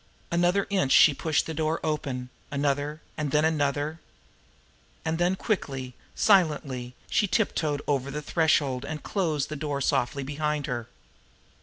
Another inch she pushed the door open, another and then another. And then quickly, silently, she tip toed over the threshold and closed the door softly behind her.